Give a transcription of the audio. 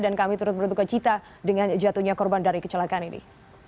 dan kami terus beruntung ke cita dengan jatuhnya korban dari kecelakaan ini